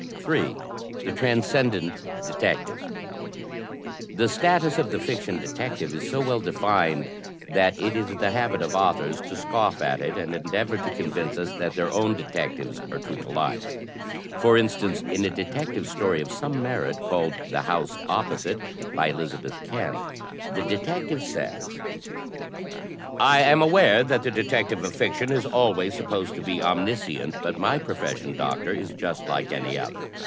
I J. The Transcendent Detechve The status of the fiction detective is so well defined that it is the habit of authors to scoff at it, and endeavor to con vince us that their own detectives are true to life. For instance, in a Detective Story of some merit, called "The House Opposite," by Elizabeth Kent, the detective says: " I am aware that the detective of fiction is alwajrs supposed to be omniscient, but my profession, Doctor, is just like any other.